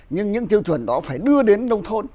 nhưng những tiêu chuẩn đó phải đưa đến nông thôn